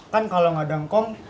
kan kalau gak ada ngkong